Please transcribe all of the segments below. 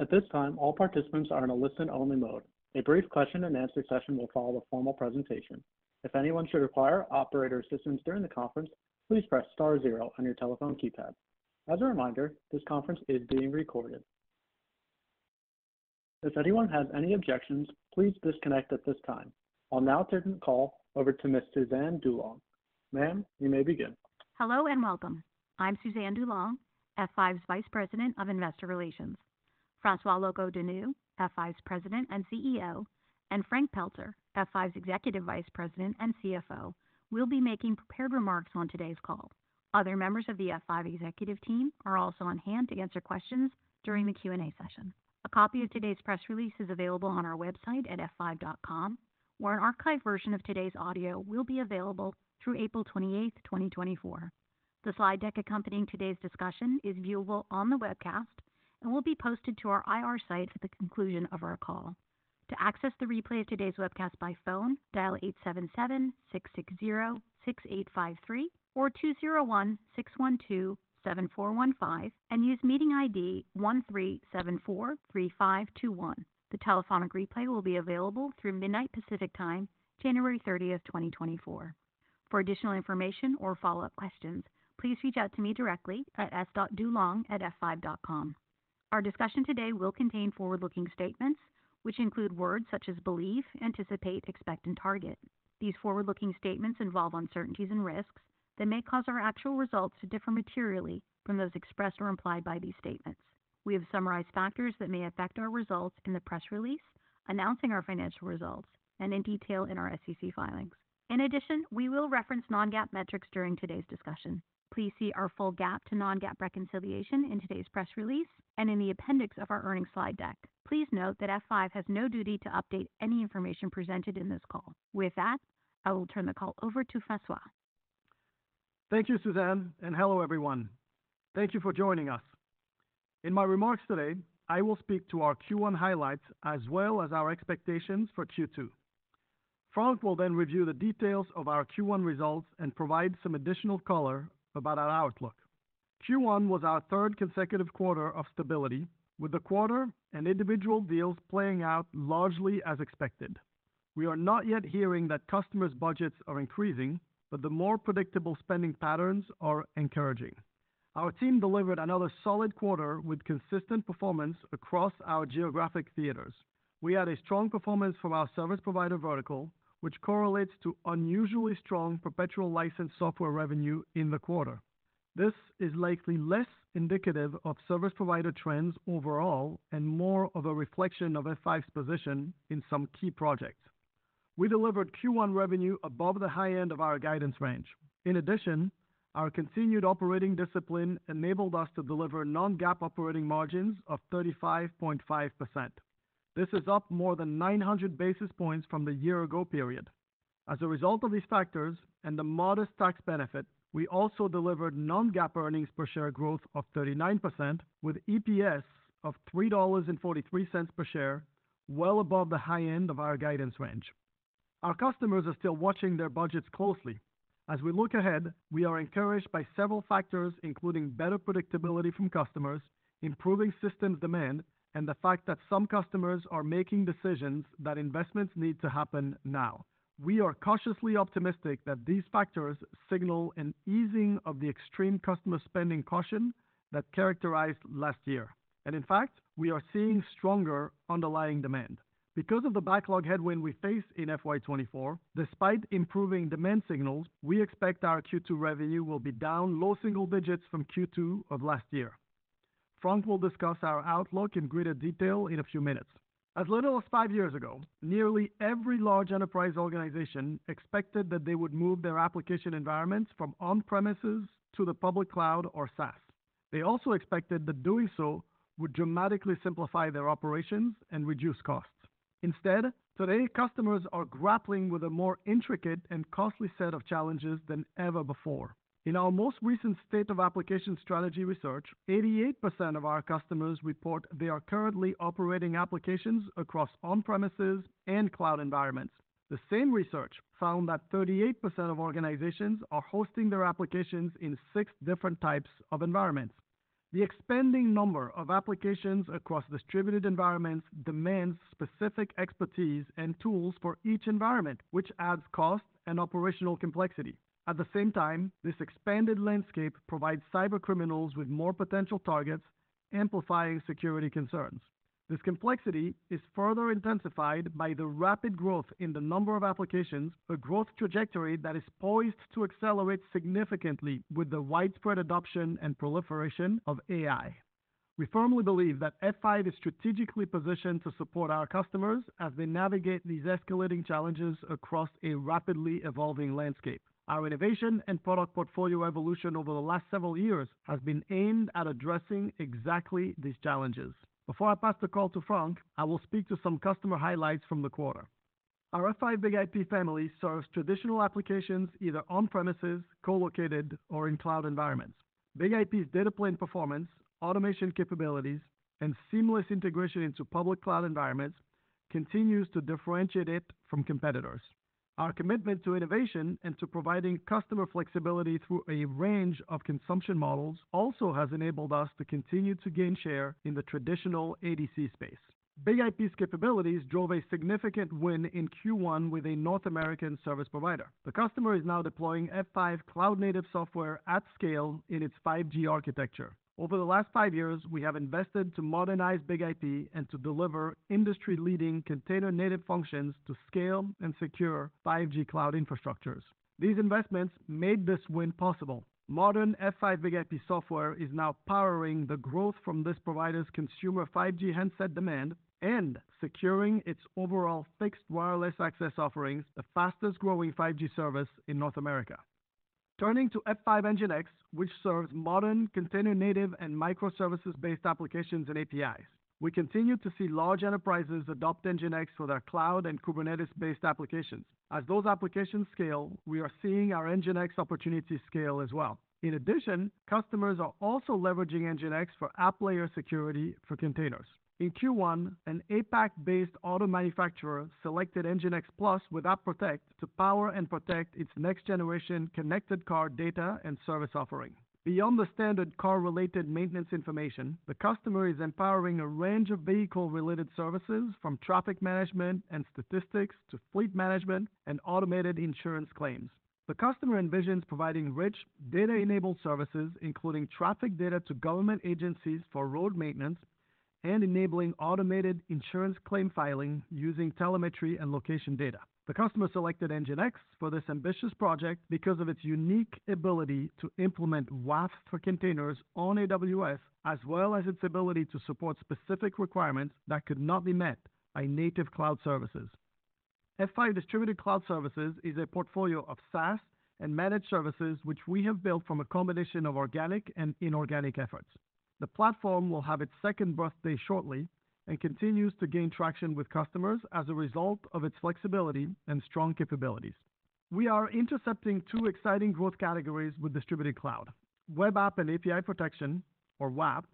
At this time, all participants are in a listen-only mode. A brief question-and-answer session will follow the formal presentation. If anyone should require operator assistance during the conference, please press star zero on your telephone keypad. As a reminder, this conference is being recorded. If anyone has any objections, please disconnect at this time. I'll now turn the call over to Ms. Suzanne DuLong. Ma'am, you may begin. Hello, and welcome. I'm Suzanne DuLong, F5's Vice President of Investor Relations. François Locoh-Donou, F5's President and CEO, and Frank Pelzer, F5's Executive Vice President and CFO, will be making prepared remarks on today's call. Other members of the F5 executive team are also on hand to answer questions during the Q&A session. A copy of today's press release is available on our website at f5.com, where an archived version of today's audio will be available through April 28th, 2024. The slide deck accompanying today's discussion is viewable on the webcast and will be posted to our IR site at the conclusion of our call. To access the replay of today's webcast by phone, dial 877-660-6853 or 201-612-7415 and use meeting ID 13743521. The telephonic replay will be available through midnight Pacific Time, January 30, 2024. For additional information or follow-up questions, please reach out to me directly at s.dulong@f5.com. Our discussion today will contain forward-looking statements, which include words such as believe, anticipate, expect, and target. These forward-looking statements involve uncertainties and risks that may cause our actual results to differ materially from those expressed or implied by these statements. We have summarized factors that may affect our results in the press release, announcing our financial results, and in detail in our SEC filings. In addition, we will reference non-GAAP metrics during today's discussion. Please see our full GAAP to non-GAAP reconciliation in today's press release and in the appendix of our earnings slide deck. Please note that F5 has no duty to update any information presented in this call. With that, I will turn the call over to François. Thank you, Suzanne, and hello everyone. Thank you for joining us. In my remarks today, I will speak to our Q1 highlights as well as our expectations for Q2. Frank will then review the details of our Q1 results and provide some additional color about our outlook. Q1 was our third consecutive quarter of stability, with the quarter and individual deals playing out largely as expected. We are not yet hearing that customers' budgets are increasing, but the more predictable spending patterns are encouraging. Our team delivered another solid quarter with consistent performance across our geographic theaters. We had a strong performance from our service provider vertical, which correlates to unusually strong perpetual licensed software revenue in the quarter. This is likely less indicative of service provider trends overall and more of a reflection of F5's position in some key projects. We delivered Q1 revenue above the high end of our guidance range. In addition, our continued operating discipline enabled us to deliver non-GAAP operating margins of 35.5%. This is up more than 900 basis points from the year ago period. As a result of these factors and the modest tax benefit, we also delivered non-GAAP earnings per share growth of 39%, with EPS of $3.43 per share, well above the high end of our guidance range. Our customers are still watching their budgets closely. As we look ahead, we are encouraged by several factors, including better predictability from customers, improving systems demand, and the fact that some customers are making decisions that investments need to happen now. We are cautiously optimistic that these factors signal an easing of the extreme customer spending caution that characterized last year. In fact, we are seeing stronger underlying demand. Because of the backlog headwind we face in FY 2024, despite improving demand signals, we expect our Q2 revenue will be down low single digits from Q2 of last year. Frank will discuss our outlook in greater detail in a few minutes. As little as five years ago, nearly every large enterprise organization expected that they would move their application environments from on-premises to the public cloud or SaaS. They also expected that doing so would dramatically simplify their operations and reduce costs. Instead, today, customers are grappling with a more intricate and costly set of challenges than ever before. In our most recent State of Application Strategy research, 88% of our customers report they are currently operating applications across on-premises and cloud environments. The same research found that 38% of organizations are hosting their applications in six different types of environments. The expanding number of applications across distributed environments demands specific expertise and tools for each environment, which adds cost and operational complexity. At the same time, this expanded landscape provides cybercriminals with more potential targets, amplifying security concerns. This complexity is further intensified by the rapid growth in the number of applications, a growth trajectory that is poised to accelerate significantly with the widespread adoption and proliferation of AI. We firmly believe that F5 is strategically positioned to support our customers as they navigate these escalating challenges across a rapidly evolving landscape. Our innovation and product portfolio evolution over the last several years has been aimed at addressing exactly these challenges. Before I pass the call to Frank, I will speak to some customer highlights from the quarter. Our F5 BIG-IP family serves traditional applications either on-premises, co-located, or in cloud environments. BIG-IP's data plane performance, automation capabilities, and seamless integration into public cloud environments. continues to differentiate it from competitors. Our commitment to innovation and to providing customer flexibility through a range of consumption models also has enabled us to continue to gain share in the traditional ADC space. BIG-IP's capabilities drove a significant win in Q1 with a North American service provider. The customer is now deploying F5 cloud-native software at scale in its 5G architecture. Over the last five years, we have invested to modernize BIG-IP and to deliver industry-leading container-native functions to scale and secure 5G cloud infrastructures. These investments made this win possible. Modern F5 BIG-IP software is now powering the growth from this provider's consumer 5G handset demand and securing its overall fixed wireless access offerings, the fastest growing 5G service in North America. Turning to F5 NGINX, which serves modern container-native and microservices-based applications and APIs, we continue to see large enterprises adopt NGINX for their cloud and Kubernetes-based applications. As those applications scale, we are seeing our NGINX opportunity scale as well. In addition, customers are also leveraging NGINX for app layer security for containers. In Q1, an APAC-based auto manufacturer selected NGINX Plus with App Protect to power and protect its next generation connected car data and service offering. Beyond the standard car-related maintenance information, the customer is empowering a range of vehicle-related services, from traffic management and statistics to fleet management and automated insurance claims. The customer envisions providing rich, data-enabled services, including traffic data to government agencies for road maintenance and enabling automated insurance claim filing using telemetry and location data. The customer selected NGINX for this ambitious project because of its unique ability to implement WAF for containers on AWS, as well as its ability to support specific requirements that could not be met by native cloud services. F5 Distributed Cloud Services is a portfolio of SaaS and managed services, which we have built from a combination of organic and inorganic efforts. The platform will have its second birthday shortly and continues to gain traction with customers as a result of its flexibility and strong capabilities. We are intercepting two exciting growth categories with Distributed Cloud: web app and API protection, or WAAP,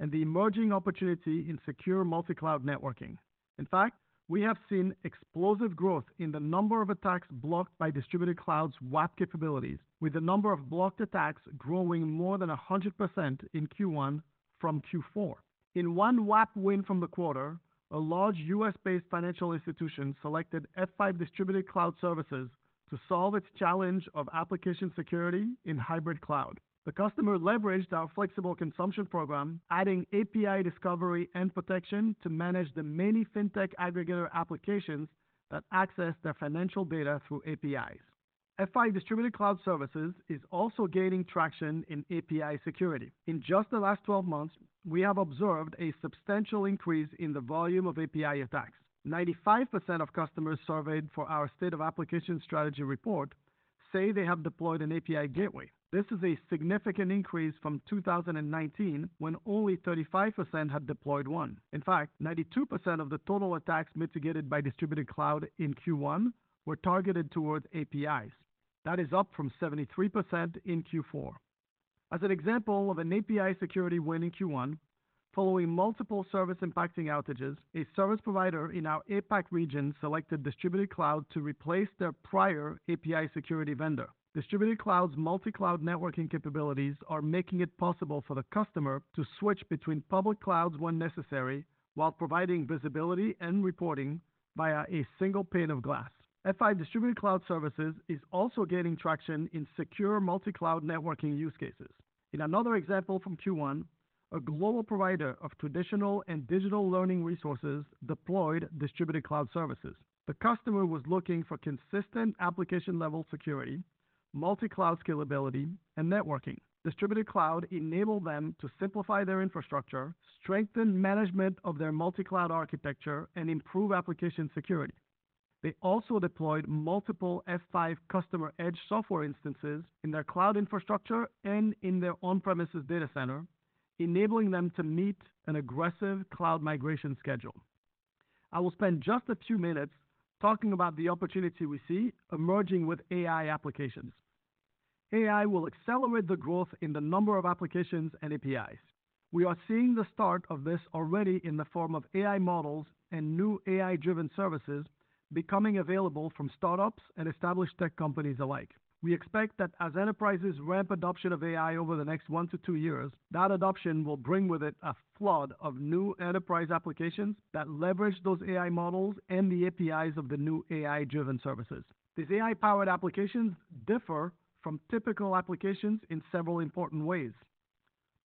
and the emerging opportunity in secure multi-cloud networking. In fact, we have seen explosive growth in the number of attacks blocked by Distributed Cloud's WAAP capabilities, with the number of blocked attacks growing more than 100% in Q1 from Q4. In one WAAP win from the quarter, a large U.S.-based financial institution selected F5 Distributed Cloud Services to solve its challenge of application security in hybrid cloud. The customer leveraged our flexible consumption program, adding API discovery and protection to manage the many fintech aggregator applications that access their financial data through APIs. F5 Distributed Cloud Services is also gaining traction in API security. In just the last 12 months, we have observed a substantial increase in the volume of API attacks. 95% of customers surveyed for our State of Application Strategy report say they have deployed an API gateway. This is a significant increase from 2019, when only 35% had deployed one. In fact, 92% of the total attacks mitigated by Distributed Cloud in Q1 were targeted towards APIs. That is up from 73% in Q4. As an example of an API security win in Q1, following multiple service-impacting outages, a service provider in our APAC region selected Distributed Cloud to replace their prior API security vendor. Distributed Cloud's multi-cloud networking capabilities are making it possible for the customer to switch between public clouds when necessary, while providing visibility and reporting via a single pane of glass. F5 Distributed Cloud Services is also gaining traction in secure multi-cloud networking use cases. In another example from Q1, a global provider of traditional and digital learning resources deployed Distributed Cloud Services. The customer was looking for consistent application-level security, multi-cloud scalability, and networking. Distributed Cloud enabled them to simplify their infrastructure, strengthen management of their multi-cloud architecture, and improve application security. They also deployed multiple F5 Customer Edge software instances in their cloud infrastructure and in their on-premises data center, enabling them to meet an aggressive cloud migration schedule. I will spend just a few minutes talking about the opportunity we see emerging with AI applications. AI will accelerate the growth in the number of applications and APIs. We are seeing the start of this already in the form of AI models and new AI-driven services becoming available from startups and established tech companies alike. We expect that as enterprises ramp adoption of AI over the next one to two years, that adoption will bring with it a flood of new enterprise applications that leverage those AI models and the APIs of the new AI-driven services. These AI-powered applications differ from typical applications in several important ways.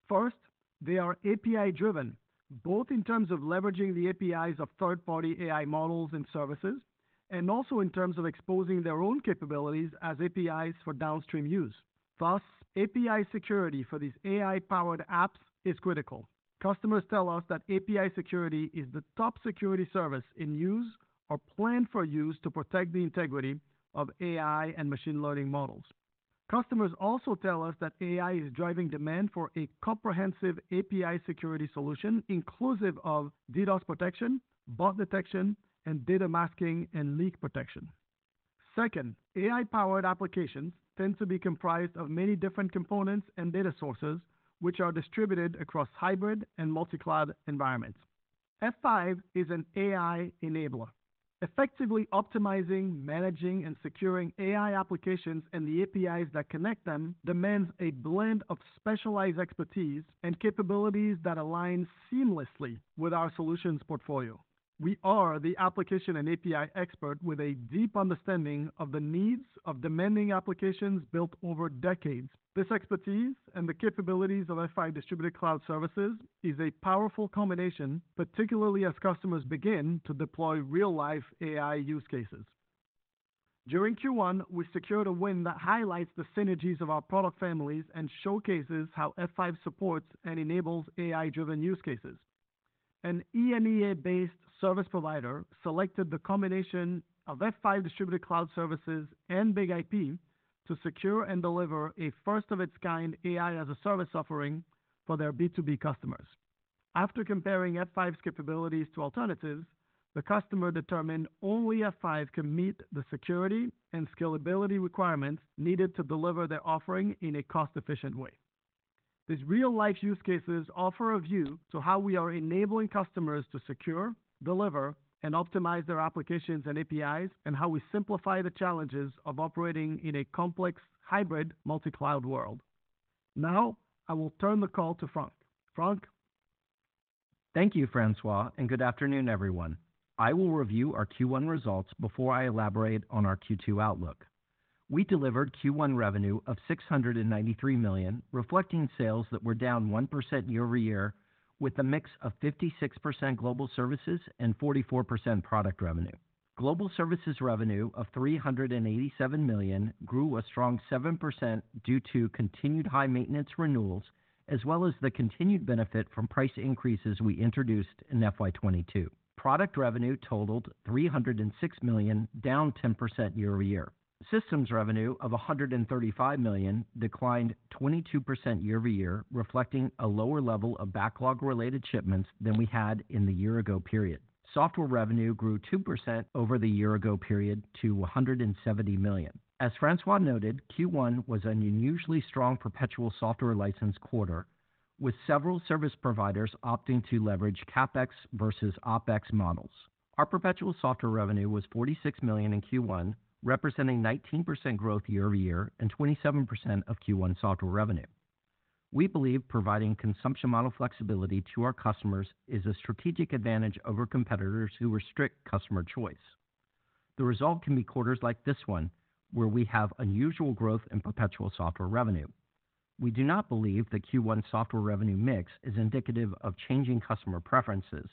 First, they are API-driven, both in terms of leveraging the APIs of third-party AI models and services, and also in terms of exposing their own capabilities as APIs for downstream use. Thus, API security for these AI-powered apps is critical. Customers tell us that API security is the top security service in use or planned for use to protect the integrity of AI and machine learning models. Customers also tell us that AI is driving demand for a comprehensive API security solution, inclusive of DDoS protection, bot detection, and data masking and leak protection. Second, AI-powered applications tend to be comprised of many different components and data sources, which are distributed across hybrid and multi-cloud environments. F5 is an AI enabler. Effectively optimizing, managing, and securing AI applications and the APIs that connect them demands a blend of specialized expertise and capabilities that align seamlessly with our solutions portfolio. We are the application and API expert with a deep understanding of the needs of demanding applications built over decades. This expertise and the capabilities of F5 Distributed Cloud Services is a powerful combination, particularly as customers begin to deploy real-life AI use cases. During Q1, we secured a win that highlights the synergies of our product families and showcases how F5 supports and enables AI-driven use cases. An EMEA-based service provider selected the combination of F5 Distributed Cloud Services and BIG-IP to secure and deliver a first-of-its-kind AI-as-a-service offering for their B2B customers. After comparing F5's capabilities to alternatives, the customer determined only F5 can meet the security and scalability requirements needed to deliver their offering in a cost-efficient way. These real-life use cases offer a view to how we are enabling customers to secure, deliver, and optimize their applications and APIs, and how we simplify the challenges of operating in a complex, hybrid, multi-cloud world. Now, I will turn the call to Frank. Frank? Thank you, François, and good afternoon, everyone. I will review our Q1 results before I elaborate on our Q2 outlook. We delivered Q1 revenue of $693 million, reflecting sales that were down 1% year-over-year, with a mix of 56% Global Services and 44% product revenue. Global services revenue of $387 million grew a strong 7% due to continued high maintenance renewals, as well as the continued benefit from price increases we introduced in FY 2022. Product revenue totaled $306 million, down 10% year-over-year. Systems revenue of $135 million declined 22% year-over-year, reflecting a lower level of backlog-related shipments than we had in the year-ago period. Software revenue grew 2% over the year-ago period to $170 million. As François noted, Q1 was an unusually strong perpetual software license quarter, with several service providers opting to leverage CapEx versus OpEx models. Our perpetual software revenue was $46 million in Q1, representing 19% growth year-over-year and 27% of Q1 software revenue. We believe providing consumption model flexibility to our customers is a strategic advantage over competitors who restrict customer choice. The result can be quarters like this one, where we have unusual growth in perpetual software revenue. We do not believe the Q1 software revenue mix is indicative of changing customer preferences.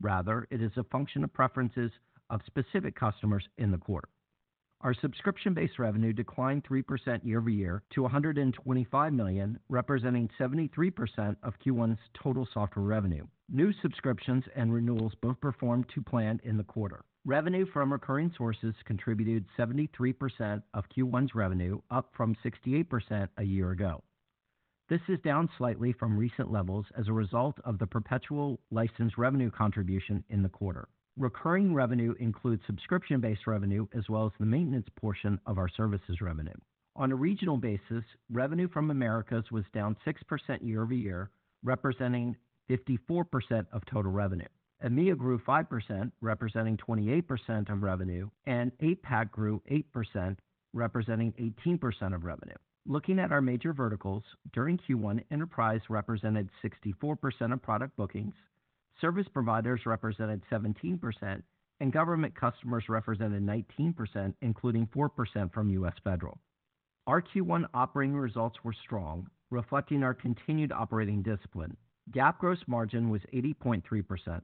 Rather, it is a function of preferences of specific customers in the quarter. Our subscription-based revenue declined 3% year-over-year to $125 million, representing 73% of Q1's total software revenue. New subscriptions and renewals both performed to plan in the quarter. Revenue from recurring sources contributed 73% of Q1's revenue, up from 68% a year ago. This is down slightly from recent levels as a result of the perpetual license revenue contribution in the quarter. Recurring revenue includes subscription-based revenue, as well as the maintenance portion of our services revenue. On a regional basis, revenue from Americas was down 6% year-over-year, representing 54% of total revenue. EMEA grew 5%, representing 28% of revenue, and APAC grew 8%, representing 18% of revenue. Looking at our major verticals, during Q1, enterprise represented 64% of product bookings, service providers represented 17%, and government customers represented 19%, including 4% from U.S. Federal. Our Q1 operating results were strong, reflecting our continued operating discipline. GAAP gross margin was 80.3%.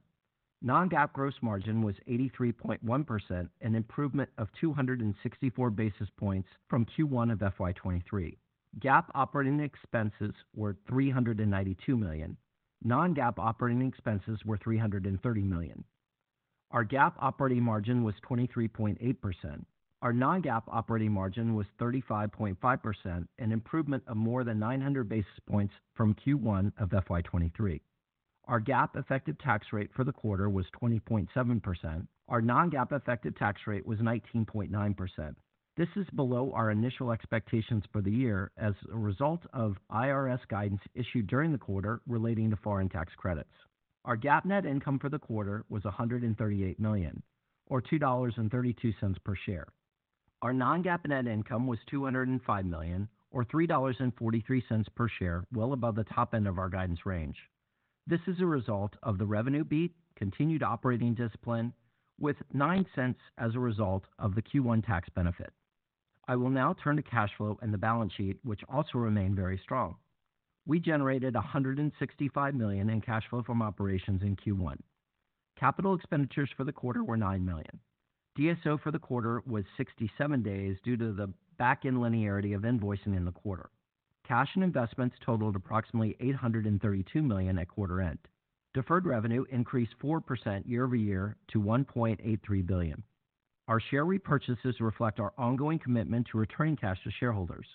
Non-GAAP gross margin was 83.1%, an improvement of 264 basis points from Q1 of FY 2023. GAAP operating expenses were $392 million. Non-GAAP operating expenses were $330 million. Our GAAP operating margin was 23.8%. Our non-GAAP operating margin was 35.5%, an improvement of more than 900 basis points from Q1 of FY 2023. Our GAAP effective tax rate for the quarter was 20.7%. Our non-GAAP effective tax rate was 19.9%. This is below our initial expectations for the year as a result of IRS guidance issued during the quarter relating to foreign tax credits. Our GAAP net income for the quarter was $138 million, or $2.32 per share. Our non-GAAP net income was $205 million, or $3.43 per share, well above the top end of our guidance range. This is a result of the revenue beat, continued operating discipline with $0.09 as a result of the Q1 tax benefit. I will now turn to cash flow and the balance sheet, which also remain very strong. We generated $165 million in cash flow from operations in Q1. Capital expenditures for the quarter were $9 million. DSO for the quarter was 67 days due to the back-end linearity of invoicing in the quarter. Cash and investments totaled approximately $832 million at quarter end. Deferred revenue increased 4% year-over-year to $1.83 billion. Our share repurchases reflect our ongoing commitment to returning cash to shareholders.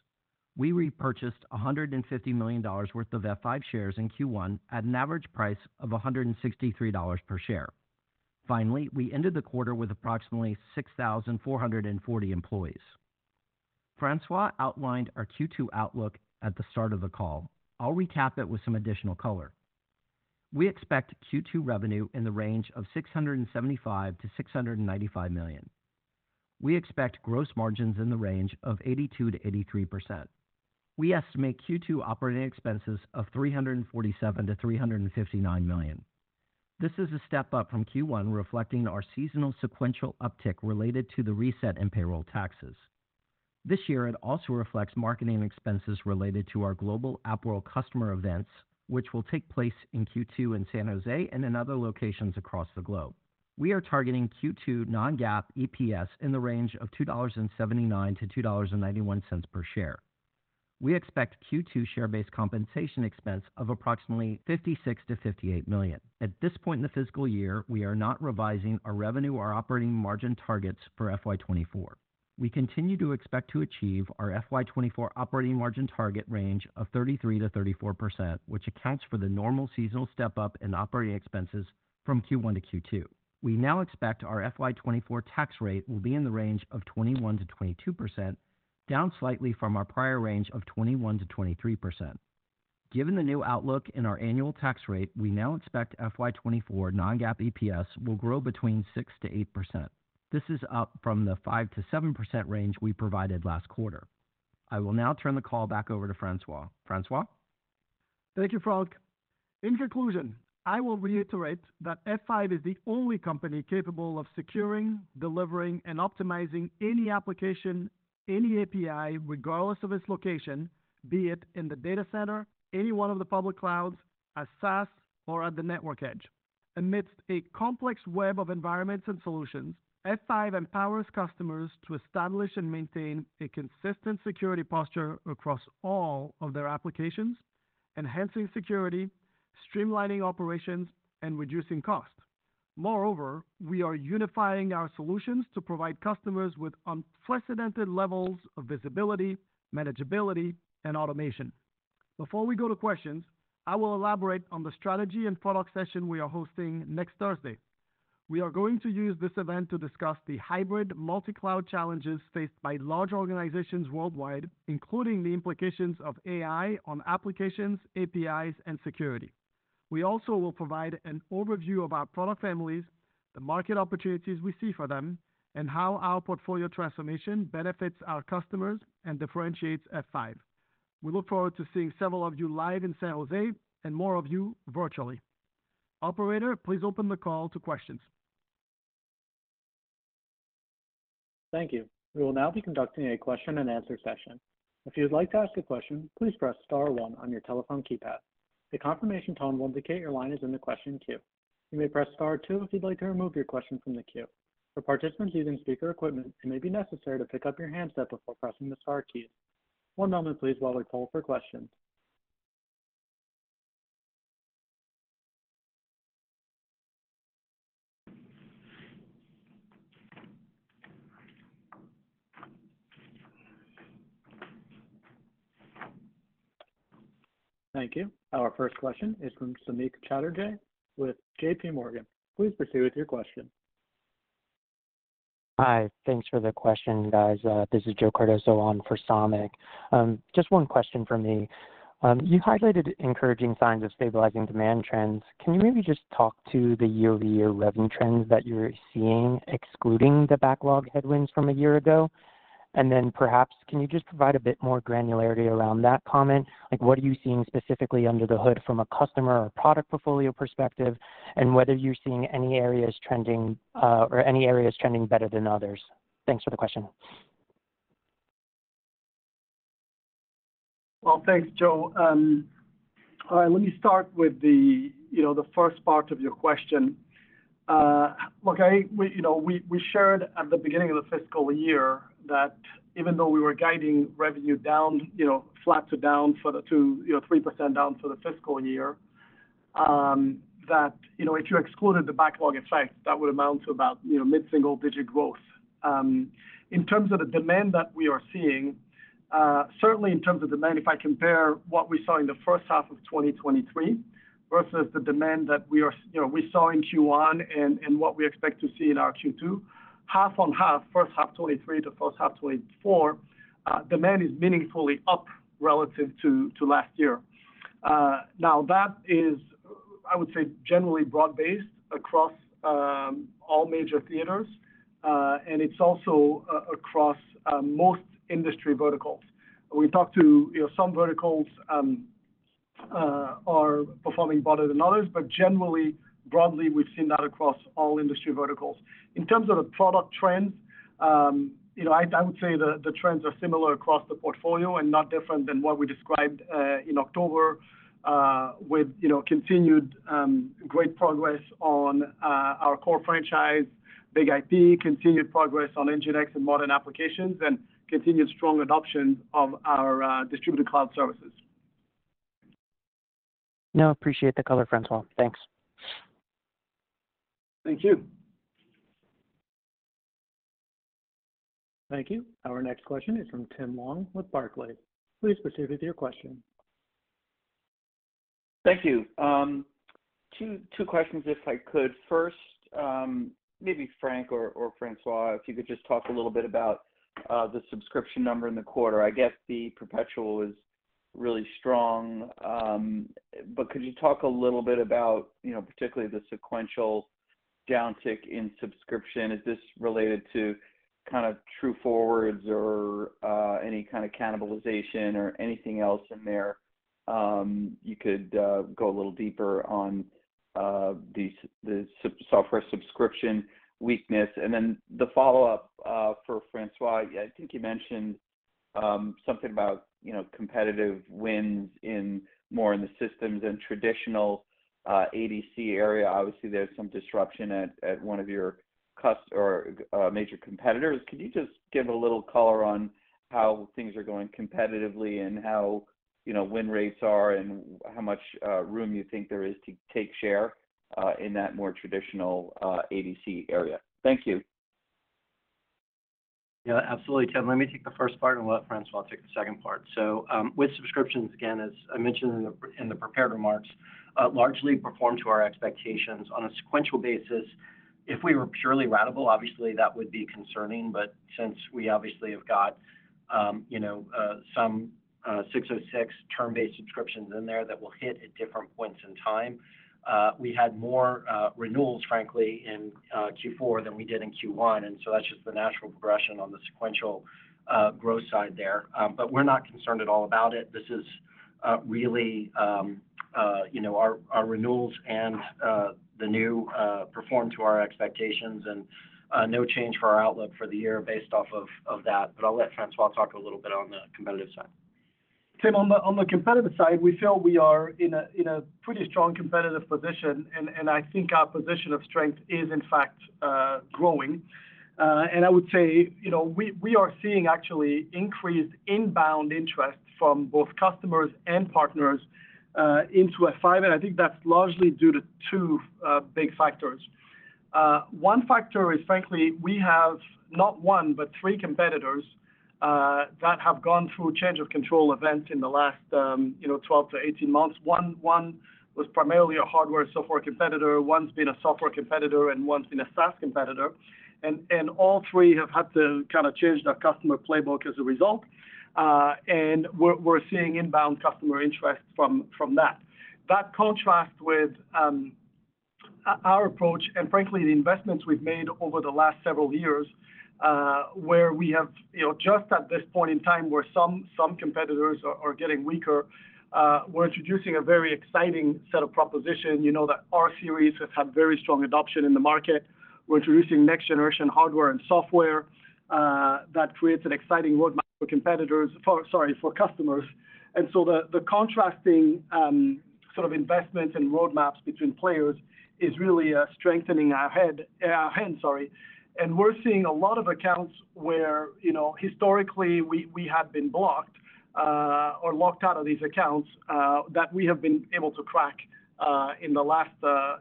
We repurchased $150 million worth of F5 shares in Q1 at an average price of $163 per share. Finally, we ended the quarter with approximately 6,440 employees. François outlined our Q2 outlook at the start of the call. I'll recap it with some additional color. We expect Q2 revenue in the range of $675 million-$695 million. We expect gross margins in the range of 82%-83%. We estimate Q2 operating expenses of $347 million-$359 million. This is a step up from Q1, reflecting our seasonal sequential uptick related to the reset in payroll taxes. This year, it also reflects marketing expenses related to our global AppWorld customer events, which will take place in Q2 in San Jose and in other locations across the globe. We are targeting Q2 non-GAAP EPS in the range of $2.79-$2.91 per share. We expect Q2 share-based compensation expense of approximately $56 million-$58 million. At this point in the fiscal year, we are not revising our revenue or operating margin targets for FY 2024. We continue to expect to achieve our FY 2024 operating margin target range of 33%-34%, which accounts for the normal seasonal step up in operating expenses from Q1 to Q2. We now expect our FY 2024 tax rate will be in the range of 21%-22%, down slightly from our prior range of 21%-23%. Given the new outlook in our annual tax rate, we now expect FY 2024 Non-GAAP EPS will grow between 6%-8%. This is up from the 5%-7% range we provided last quarter. I will now turn the call back over to François. François? Thank you, Frank. In conclusion, I will reiterate that F5 is the only company capable of securing, delivering, and optimizing any application, any API, regardless of its location, be it in the data center, any one of the public clouds, as SaaS, or at the network edge. Amidst a complex web of environments and solutions, F5 empowers customers to establish and maintain a consistent security posture across all of their applications, enhancing security, streamlining operations, and reducing cost. Moreover, we are unifying our solutions to provide customers with unprecedented levels of visibility, manageability, and automation. Before we go to questions, I will elaborate on the strategy and product session we are hosting next Thursday. We are going to use this event to discuss the hybrid multi-cloud challenges faced by large organizations worldwide, including the implications of AI on applications, APIs, and security. We also will provide an overview of our product families, the market opportunities we see for them, and how our portfolio transformation benefits our customers and differentiates F5. We look forward to seeing several of you live in San Jose and more of you virtually. Operator, please open the call to questions. Thank you. We will now be conducting a question-and-answer session. If you'd like to ask a question, please press star one on your telephone keypad. A confirmation tone will indicate your line is in the question queue. You may press star two if you'd like to remove your question from the queue. For participants using speaker equipment, it may be necessary to pick up your handset before pressing the star key. One moment, please, while we poll for questions. Thank you. Our first question is from Samik Chatterjee with JPMorgan. Please proceed with your question. Hi. Thanks for the question, guys. This is Joe Cardoso on for Samik. Just one question for me. You highlighted encouraging signs of stabilizing demand trends. Can you maybe just talk to the year-over-year revenue trends that you're seeing, excluding the backlog headwinds from a year ago? And then perhaps, can you just provide a bit more granularity around that comment? Like, what are you seeing specifically under the hood from a customer or product portfolio perspective, and whether you're seeing any areas trending, or any areas trending better than others? Thanks for the question. Well, thanks, Joe. All right, let me start with the, you know, the first part of your question. Look, we, you know, we shared at the beginning of the fiscal year that even though we were guiding revenue down, you know, flat to down for the two. you know, 3% down for the fiscal year, that, you know, if you excluded the backlog effect, that would amount to about, you know, mid-single-digit growth. In terms of the demand that we are seeing, certainly in terms of demand, if I compare what we saw in the first half of 2023 versus the demand that we are, you know, we saw in Q1 and what we expect to see in our Q2, half on half, first half 2023 to first half 2024, demand is meaningfully up relative to last year. Now, that is, I would say, generally broad-based across all major theaters, and it's also across most industry verticals. We talked to, you know, some verticals are performing better than others, but generally, broadly, we've seen that across all industry verticals. In terms of the product trends, you know, I would say the, the trends are similar across the portfolio and not different than what we described in October, with, you know, continued great progress on our core franchise, BIG-IP, continued progress on NGINX and modern applications, and continued strong adoption of our distributed cloud services. No, appreciate the color, François. Thanks. Thank you. Thank you. Our next question is from Tim Long with Barclays. Please proceed with your question. Thank you. Two questions, if I could. First, maybe Frank or François, if you could just talk a little bit about the subscription number in the quarter. I guess the perpetual is really strong, but could you talk a little bit about, you know, particularly the sequential downtick in subscription? Is this related to kind of True Forward or any kind of cannibalization or anything else in there, you could go a little deeper on the software subscription weakness? And then the follow-up for François, I think you mentioned something about, you know, competitive wins in more in the systems and traditional ADC area. Obviously, there's some disruption at one of your customers or major competitors. Could you just give a little color on how things are going competitively and how, you know, win rates are, and how much room you think there is to take share in that more traditional ADC area? Thank you. Yeah, absolutely, Tim. Let me take the first part and let François take the second part. So, with subscriptions, again, as I mentioned in the prepared remarks, largely performed to our expectations on a sequential basis. If we were purely ratable, obviously, that would be concerning, but since we obviously have got, you know, some 606 term-based subscriptions in there that will hit at different points in time, we had more renewals, frankly, in Q4 than we did in Q1, and so that's just the natural progression on the sequential growth side there. But we're not concerned at all about it. This is really, you know, our renewals and the new perform to our expectations and no change for our outlook for the year based off of that. But I'll let François talk a little bit on the competitive side. Tim, on the competitive side, we feel we are in a pretty strong competitive position, and I think our position of strength is, in fact, growing. And I would say, you know, we are seeing actually increased inbound interest from both customers and partners into F5, and I think that's largely due to two big factors. One factor is, frankly, we have not one, but three competitors that have gone through change of control events in the last 12-18 months. One was primarily a hardware/software competitor, one's been a software competitor, and one's been a SaaS competitor. And all three have had to kinda change their customer playbook as a result, and we're seeing inbound customer interest from that. That contrasts with our approach and frankly, the investments we've made over the last several years, where we have, you know, just at this point in time, where some competitors are getting weaker, we're introducing a very exciting set of propositions, you know, that our rSeries has had very strong adoption in the market. We're introducing next-generation hardware and software that creates an exciting roadmap for customers. And so the contrasting sort of investments and roadmaps between players is really strengthening our hand, sorry. And we're seeing a lot of accounts where, you know, historically we had been blocked or locked out of these accounts that we have been able to crack in the last,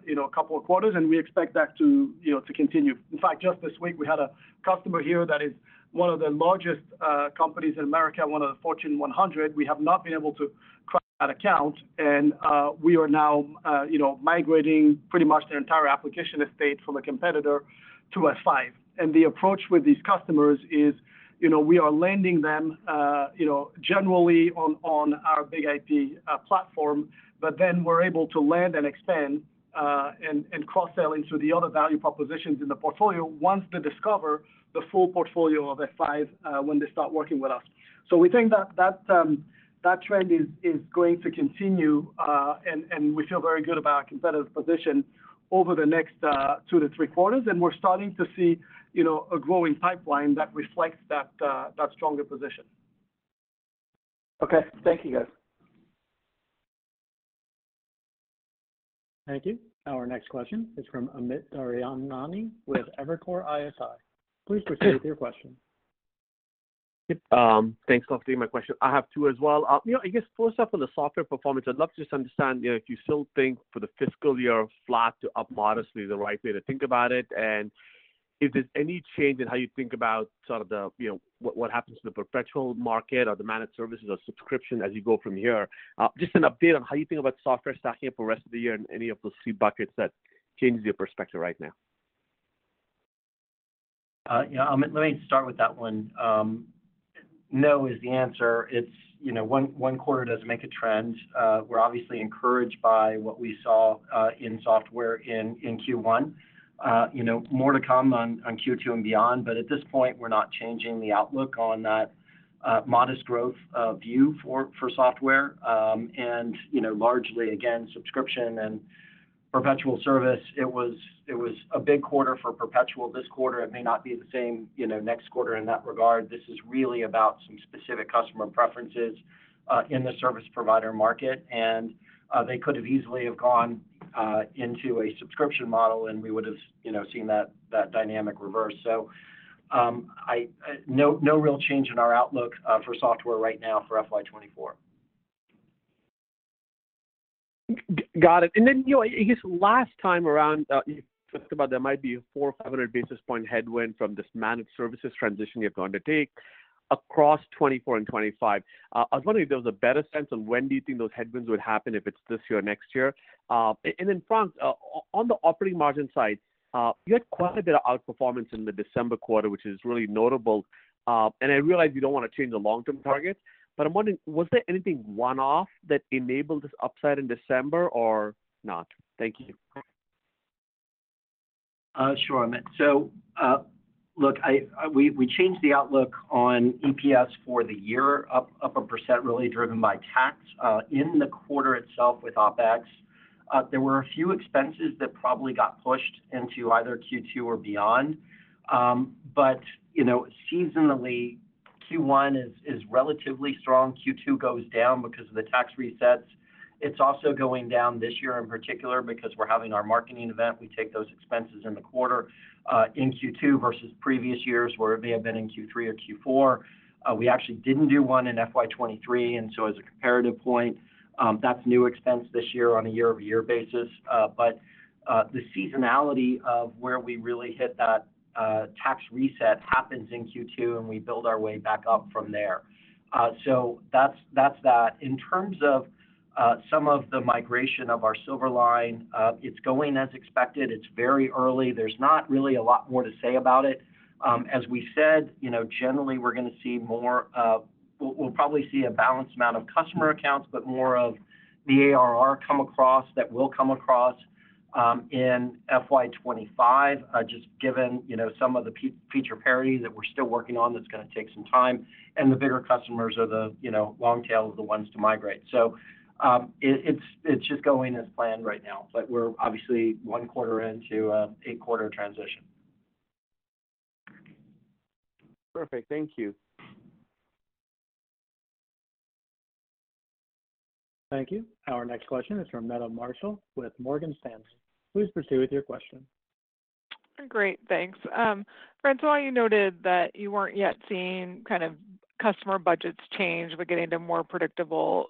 you know, couple of quarters, and we expect that to, you know, to continue. In fact, just this week, we had a customer here that is one of the largest companies in America, one of the Fortune 100. We have not been able to crack that account, and we are now, you know, migrating pretty much their entire application estate from a competitor to F5. And the approach with these customers is, you know, we are landing them, you know, generally on, on our BIG-IP platform, but then we're able to land and expand, and, and cross-sell into the other value propositions in the portfolio once they discover the full portfolio of F5, when they start working with us. So we think that trend is going to continue, and we feel very good about our competitive position over the next tow to three quarters, and we're starting to see, you know, a growing pipeline that reflects that stronger position. Okay. Thank you, guys. Thank you. Our next question is from Amit Daryanani with Evercore ISI. Please proceed with your question. Thanks for taking my question. I have two as well. You know, I guess first off, on the software performance, I'd love to just understand, you know, if you still think for the fiscal year, flat to up modestly, the right way to think about it, and if there's any change in how you think about sort of the, you know, what, what happens to the perpetual market or the managed services or subscription as you go from here? Just an update on how you think about software stacking up for the rest of the year and any of those three buckets that changes your perspective right now. Yeah, Amit, let me start with that one. No is the answer. It's, you know, one quarter doesn't make a trend. We're obviously encouraged by what we saw in software in Q1. You know, more to come on Q2 and beyond, but at this point, we're not changing the outlook on that, modest growth view for software. And, you know, largely, again, subscription and perpetual service, it was a big quarter for perpetual this quarter. It may not be the same, you know, next quarter in that regard. This is really about some specific customer preferences in the service provider market, and they could have easily have gone into a subscription model, and we would have, you know, seen that dynamic reverse. No real change in our outlook for software right now for FY 2024. Got it. And then, you know, I guess last time around, you talked about there might be a 400-500 basis point headwind from this managed services transition you're going to take across 2024 and 2025. I was wondering if there was a better sense of when do you think those headwinds would happen, if it's this year or next year? And then, Frank, on the operating margin side, you had quite a bit of outperformance in the December quarter, which is really notable. And I realize you don't want to change the long-term target, but I'm wondering, was there anything one-off that enabled this upside in December or not? Thank you. Sure, Amit. So, look, we changed the outlook on EPS for the year, up 1%, really driven by tax. In the quarter itself with OpEx, there were a few expenses that probably got pushed into either Q2 or beyond. But, you know, seasonally, Q1 is relatively strong. Q2 goes down because of the tax resets. It's also going down this year in particular because we're having our marketing event. We take those expenses in the quarter, in Q2 versus previous years, where they have been in Q3 or Q4. We actually didn't do one in FY 2023, and so as a comparative point, that's new expense this year on a year-over-year basis. But the seasonality of where we really hit that tax reset happens in Q2, and we build our way back up from there. So that's that. In terms of some of the migration of our Silverline, it's going as expected. It's very early. There's not really a lot more to say about it. As we said, you know, generally, we're gonna see more. We'll probably see a balanced amount of customer accounts, but more of the ARR come across that will come across in FY 2025. Just given, you know, some of the feature parity that we're still working on, that's gonna take some time, and the bigger customers are the, you know, long tail of the ones to migrate. So, it's just going as planned right now, but we're obviously one quarter into an eight-quarter transition. Perfect. Thank you. Thank you. Our next question is from Meta Marshall with Morgan Stanley. Please proceed with your question. Great. Thanks. François, while you noted that you weren't yet seeing kind of customer budgets change, but getting to more predictable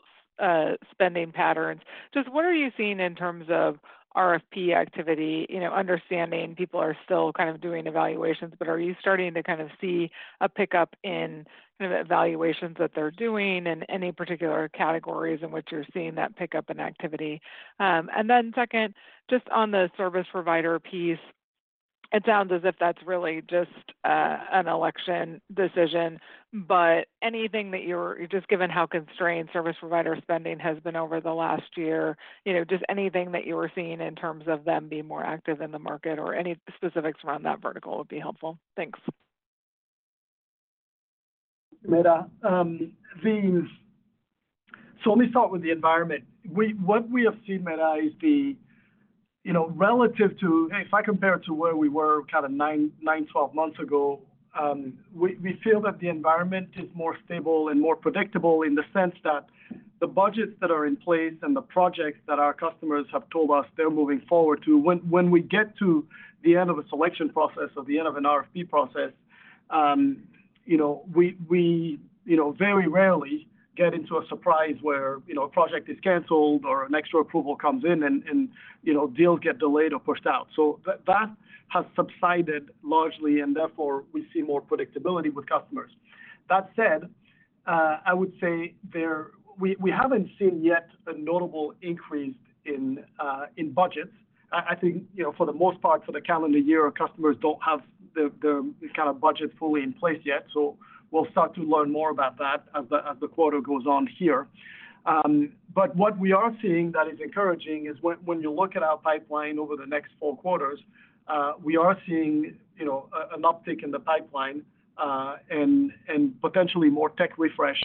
spending patterns, just what are you seeing in terms of RFP activity? You know, understanding people are still kind of doing evaluations, but are you starting to kind of see a pickup in kind of evaluations that they're doing and any particular categories in which you're seeing that pickup in activity? And then second, just on the service provider piece, it sounds as if that's really just an allocation decision, but anything that you're just given how constrained service provider spending has been over the last year, you know, just anything that you were seeing in terms of them being more active in the market or any specifics around that vertical would be helpful. Thanks. Meta, so let me start with the environment. What we have seen, Meta, is, you know, relative to if I compare it to where we were kind of nine to 12 months ago, we feel that the environment is more stable and more predictable in the sense that the budgets that are in place and the projects that our customers have told us they're moving forward to, when we get to the end of a selection process or the end of an RFP process, you know, we very rarely get into a surprise where, you know, a project is canceled or an extra approval comes in and deals get delayed or pushed out. So that has subsided largely, and therefore, we see more predictability with customers. That said, I would say there we haven't seen yet a notable increase in budgets. I think, you know, for the most part, for the calendar year, our customers don't have this kind of budget fully in place yet, so we'll start to learn more about that as the quarter goes on here. But what we are seeing that is encouraging is when you look at our pipeline over the next four quarters, we are seeing, you know, an uptick in the pipeline, and potentially more tech refresh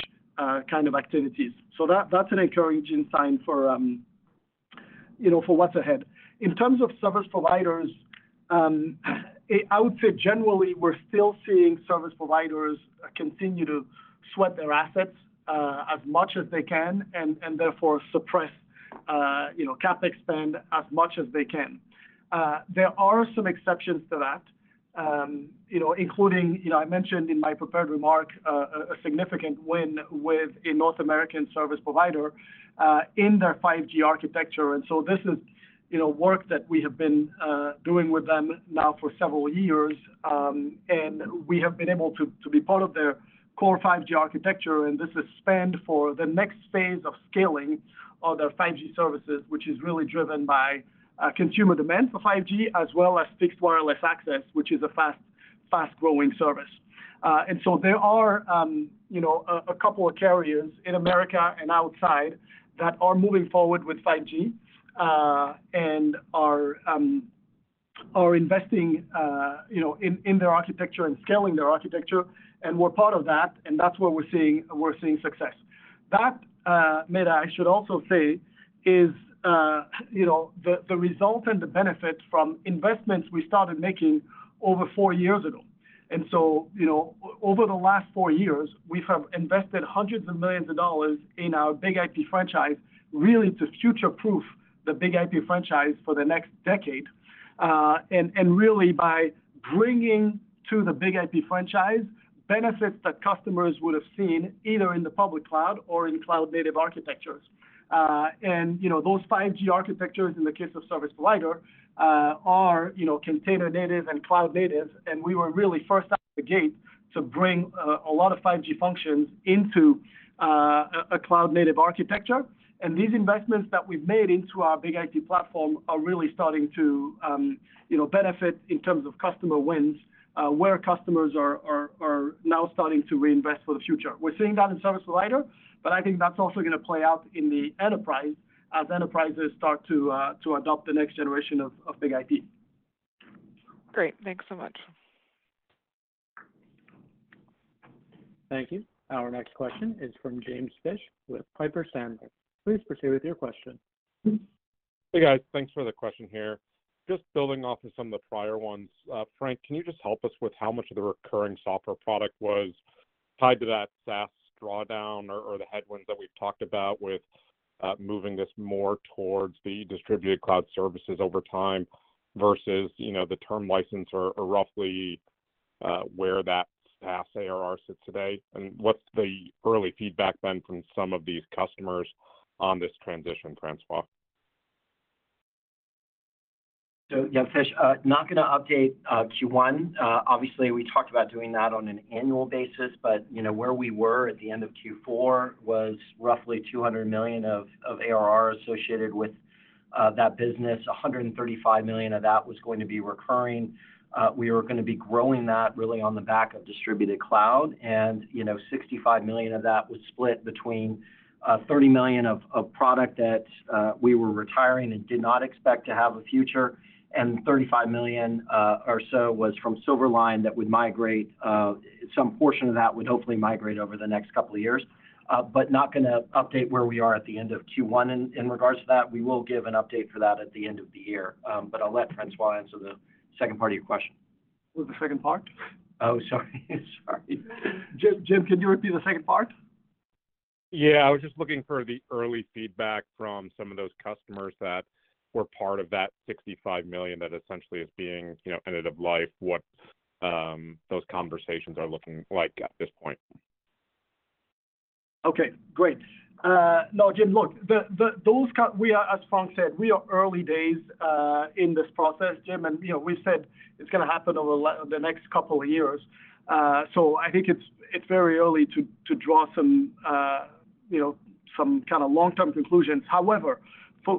kind of activities. So that's an encouraging sign for, you know, for what's ahead. In terms of service providers, I would say, generally, we're still seeing service providers continue to sweat their assets as much as they can and therefore suppress, you know, CapEx spend as much as they can. There are some exceptions to that, you know, including, you know, I mentioned in my prepared remark, a significant win with a North American service provider in their 5G architecture. And so this is, you know, work that we have been doing with them now for several years, and we have been able to be part of their core 5G architecture, and this is spend for the next phase of scaling of their 5G services, which is really driven by consumer demand for 5G, as well as Fixed Wireless Access, which is a fast, fast-growing service. And so there are, you know, a couple of carriers in America and outside that are moving forward with 5G, and are investing, you know, in their architecture and scaling their architecture, and we're part of that, and that's where we're seeing success. That, Meta, I should also say, is, you know, the result and the benefit from investments we started making over four years ago. And so, you know, over the last four years, we have invested hundreds of millions of dollars in our BIG-IP franchise, really to future-proof the BIG-IP franchise for the next decade, and really by bringing to the BIG-IP franchise benefits that customers would have seen either in the public cloud or in cloud-native architectures. And, you know, those 5G architectures, in the case of service provider, are, you know, container-native and cloud-native, and we were really first out the gate to bring a cloud-native architecture. And these investments that we've made into our BIG-IP platform are really starting to, you know, benefit in terms of customer wins, where customers are now starting to reinvest for the future. We're seeing that in service provider, but I think that's also gonna play out in the enterprise as enterprises start to adopt the next generation of BIG-IP. Great. Thanks so much. Thank you. Our next question is from James Fish with Piper Sandler. Please proceed with your question. Hey, guys. Thanks for the question here. Just building off of some of the prior ones. Frank, can you just help us with how much of the recurring software product was tied to that SaaS drawdown or, or the headwinds that we've talked about with moving this more towards the distributed cloud services over time, versus, you know, the term license or, or roughly, where that SaaS ARR sits today? And what's the early feedback then from some of these customers on this transition, François? So, yeah, Fish, not gonna update Q1. Obviously, we talked about doing that on an annual basis, but, you know, where we were at the end of Q4 was roughly $200 million of ARR associated with that business. $135 million of that was going to be recurring. We were gonna be growing that really on the back of distributed cloud, and, you know, $65 million of that was split between 30 million of product that we were retiring and did not expect to have a future, and $35 million or so was from Silverline that would migrate some portion of that would hopefully migrate over the next couple of years. But not gonna update where we are at the end of Q1 in regards to that. We will give an update for that at the end of the year. But I'll let François answer the second part of your question. What was the second part? Oh, sorry. Sorry. Jim, Jim, can you repeat the second part? Yeah, I was just looking for the early feedback from some of those customers that were part of that $65 million that essentially is being, you know, end of life, what those conversations are looking like at this point. Okay, great. No, Jim, look, we are, as Frank said, we are early days in this process, Jim, and, you know, we said it's gonna happen over the next couple of years. So I think it's very early to draw some, you know, some kind of long-term conclusions. However,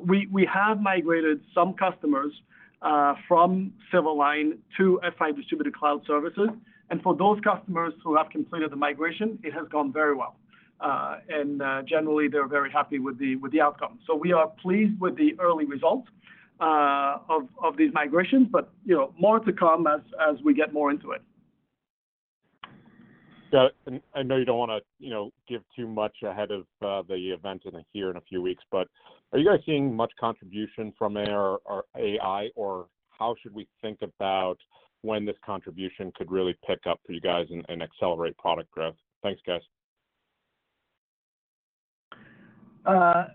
we have migrated some customers from Silverline to F5 Distributed Cloud Services, and for those customers who have completed the migration, it has gone very well. Generally, they're very happy with the outcome. So we are pleased with the early results of these migrations, but, you know, more to come as we get more into it. Yeah, and I know you don't wanna, you know, give too much ahead of, the event in here in a few weeks, but are you guys seeing much contribution from AI or AI, or how should we think about when this contribution could really pick up for you guys and, and accelerate product growth? Thanks, guys.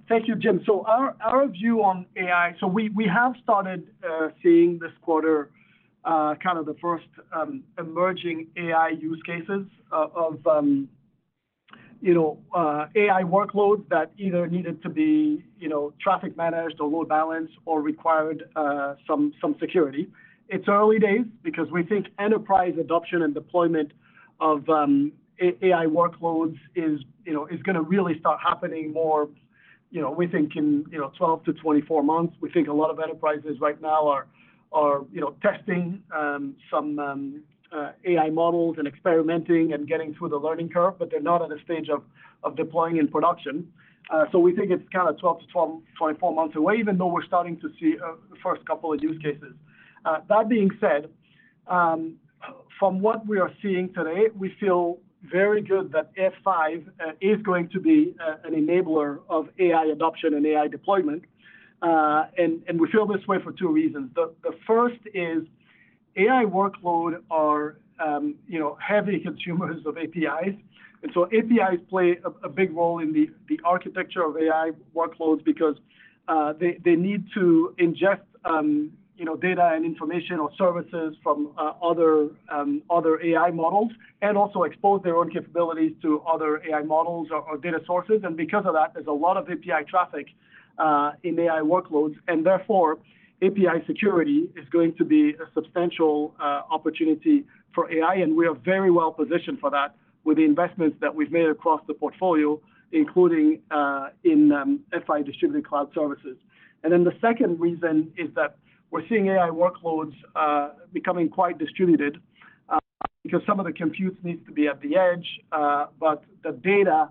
Thank you, Jim. So our view on AI. So we have started seeing this quarter kind of the first emerging AI use cases of you know AI workloads that either needed to be you know traffic managed or load balanced or required some security. It's early days because we think enterprise adoption and deployment of AI workloads is you know is gonna really start happening more you know we think in you know 12-24 months. We think a lot of enterprises right now are you know testing some AI models and experimenting and getting through the learning curve, but they're not at a stage of deploying in production. So we think it's kinda 12 to 12 to 24 months away, even though we're starting to see the first couple of use cases. That being said, from what we are seeing today, we feel very good that F5 is going to be an enabler of AI adoption and AI deployment. And we feel this way for two reasons. The first is AI workload are you know heavy consumers of APIs, and so APIs play a big role in the architecture of AI workloads because they need to ingest you know data and information or services from other AI models and also expose their own capabilities to other AI models or data sources. And because of that, there's a lot of API traffic in AI workloads, and therefore, API security is going to be a substantial opportunity for AI, and we are very well positioned for that with the investments that we've made across the portfolio, including in F5 Distributed Cloud Services. And then the second reason is that we're seeing AI workloads becoming quite distributed because some of the computes needs to be at the edge, but the data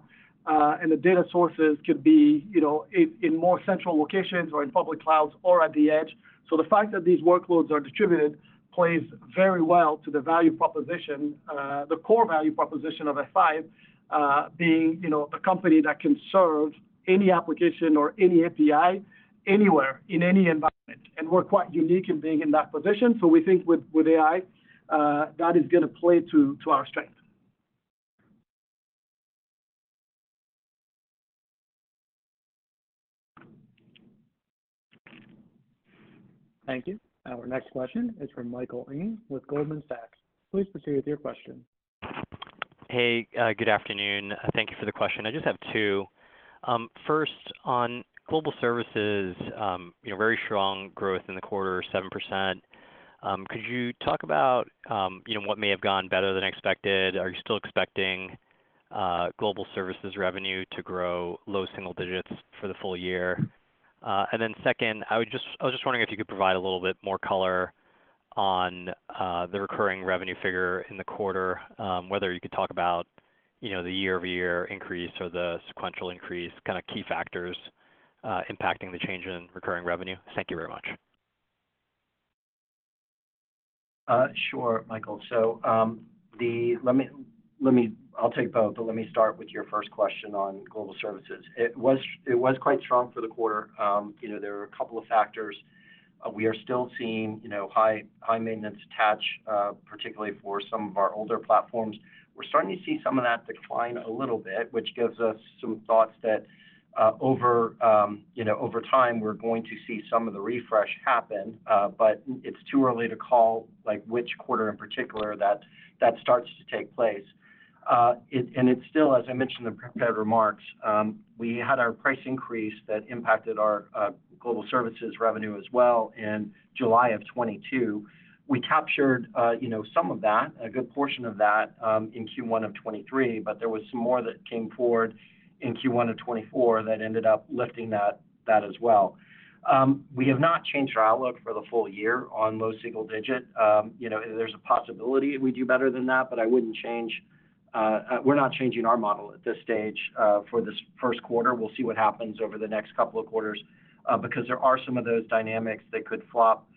and the data sources could be, you know, in more central locations or in public clouds or at the edge. So the fact that these workloads are distributed plays very well to the value proposition, the core value proposition of F5, being, you know, a company that can serve any application or any API anywhere, in any environment, and we're quite unique in being in that position. So we think with AI that is gonna play to our strength. Thank you. Our next question is from Michael Ng with Goldman Sachs. Please proceed with your question. Hey, good afternoon. Thank you for the question. I just have two. First, on global services, you know, very strong growth in the quarter, 7%. Could you talk about, you know, what may have gone better than expected? Are you still expecting, global services revenue to grow low single digits for the full year? And then second, I would just—I was just wondering if you could provide a little bit more color on, the recurring revenue figure in the quarter, whether you could talk about, you know, the year-over-year increase or the sequential increase, kinda key factors, impacting the change in recurring revenue. Thank you very much. Sure, Michael. So, let me- let me-- I'll take both, but let me start with your first question on global services. It was quite strong for the quarter. You know, there were a couple of factors. We are still seeing high maintenance attach, particularly for some of our older platforms. We're starting to see some of that decline a little bit, which gives us some thoughts that over time, we're going to see some of the refresh happen, but it's too early to call, like, which quarter in particular that starts to take place. And it's still, as I mentioned in the prepared remarks, we had our price increase that impacted our global services revenue as well in July of 2022. We captured, you know, some of that, a good portion of that, in Q1 of 2023, but there was some more that came forward in Q1 of 2024 that ended up lifting that, that as well. We have not changed our outlook for the full year on low single digit. You know, there's a possibility we do better than that, but I wouldn't change... We're not changing our model at this stage, for this first quarter. We'll see what happens over the next couple of quarters, because there are some of those dynamics that could flop,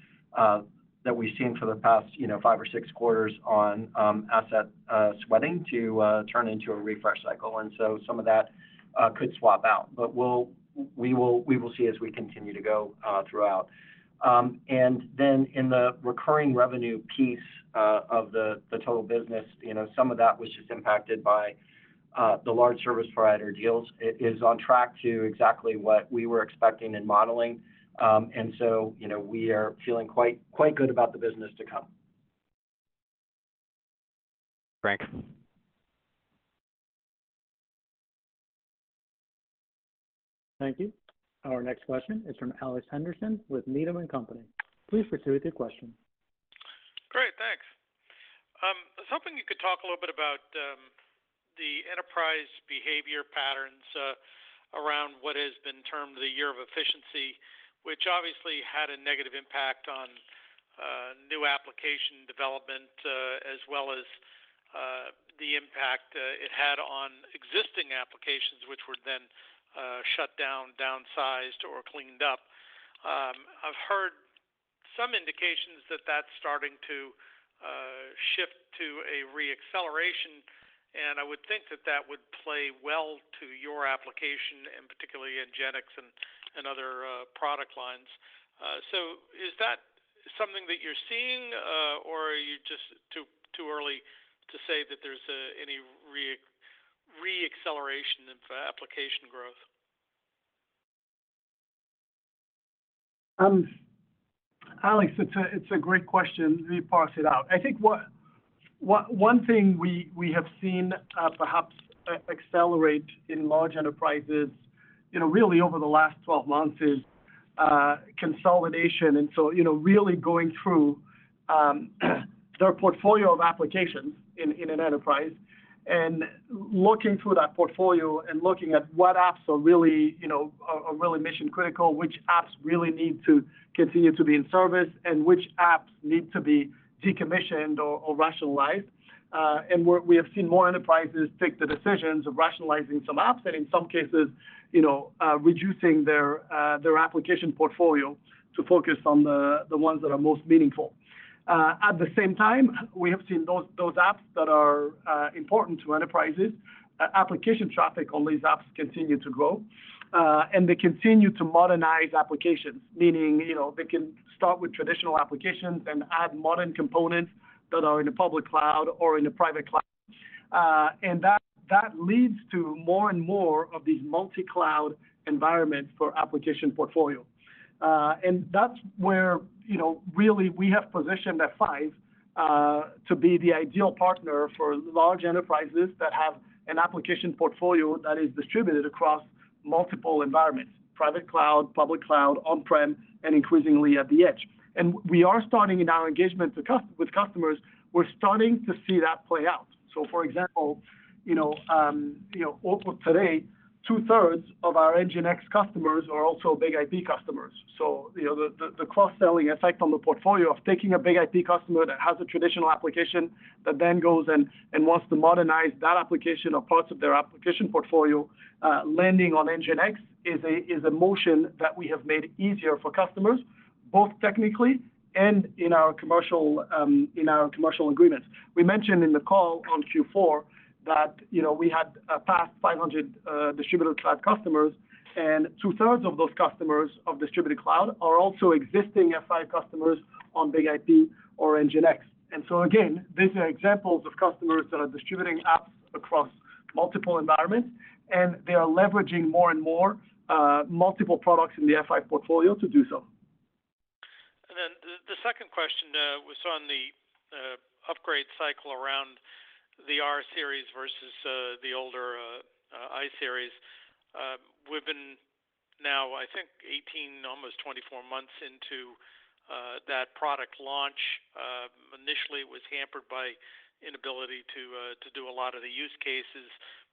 that we've seen for the past, you know, 5 or 6 quarters on, asset, sweating to, turn into a refresh cycle. And so some of that, could swap out. But we will see as we continue to go throughout. And then in the recurring revenue piece of the total business, you know, some of that was just impacted by the large service provider deals. It is on track to exactly what we were expecting and modeling. And so, you know, we are feeling quite good about the business to come. Thanks. Thank you. Our next question is from Alex Henderson with Needham & Company. Please proceed with your question. Great, thanks. I was hoping you could talk a little bit about the enterprise behavior patterns around what has been termed the Year of Efficiency, which obviously had a negative impact on new application development as well as the impact it had on existing applications, which were then shut down, downsized, or cleaned up. I've heard some indications that that's starting to shift to a re-acceleration, and I would think that that would play well to your application, and particularly in NGINX and other product lines. So is that something that you're seeing or are you just too early to say that there's any re-acceleration in application growth? Alex, it's a great question. Let me parse it out. I think one thing we have seen, perhaps, accelerate in large enterprises, you know, really over the last 12 months, is consolidation. So, you know, really going through their portfolio of applications in an enterprise, and looking through that portfolio and looking at what apps are really, you know, really mission-critical, which apps really need to continue to be in service, and which apps need to be decommissioned or rationalized. And we have seen more enterprises take the decisions of rationalizing some apps, and in some cases, you know, reducing their application portfolio to focus on the ones that are most meaningful. At the same time, we have seen those apps that are important to enterprises. Application traffic on these apps continues to grow, and they continue to modernize applications. Meaning, you know, they can start with traditional applications and add modern components that are in the public cloud or in the private cloud. And that leads to more and more of these multi-cloud environments for application portfolio. And that's where, you know, really we have positioned F5 to be the ideal partner for large enterprises that have an application portfolio that is distributed across multiple environments: private cloud, public cloud, on-prem, and increasingly at the edge. And we are starting in our engagement with customers. We're starting to see that play out. So for example, you know, you know, over today, 2/3 of our NGINX customers are also BIG-IP customers. So you know, the cross-selling effect on the portfolio of taking a BIG-IP customer that has a traditional application, that then goes and wants to modernize that application or parts of their application portfolio, landing on NGINX, is a motion that we have made easier for customers, both technically and in our commercial, in our commercial agreements. We mentioned in the call on Q4 that, you know, we had passed 500 Distributed Cloud customers, and 2/3 of those customers of Distributed Cloud are also existing F5 customers on BIG-IP or NGINX. And so again, these are examples of customers that are distributing apps across-... multiple environments, and they are leveraging more and more, multiple products in the F5 portfolio to do so. And then the second question was on the upgrade cycle around the rSeries versus the older iSeries. We've been now, I think, 18, almost 24 months into that product launch. Initially, it was hampered by inability to do a lot of the use cases.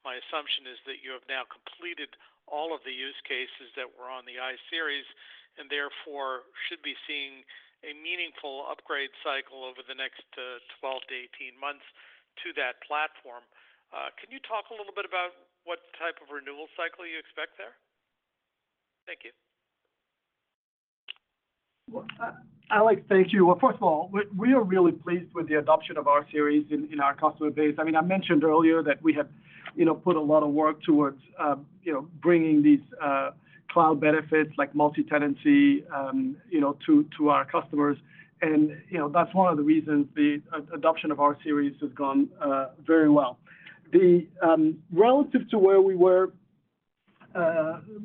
My assumption is that you have now completed all of the use cases that were on the iSeries, and therefore should be seeing a meaningful upgrade cycle over the next 12-18 months to that platform. Can you talk a little bit about what type of renewal cycle you expect there? Thank you. Well, Alex, thank you. Well, first of all, we are really pleased with the adoption of rSeries in our customer base. I mean, I mentioned earlier that we have, you know, put a lot of work towards, you know, bringing these cloud benefits like multi-tenancy, you know, to our customers. And, you know, that's one of the reasons the adoption of rSeries has gone very well. The relative to where we were,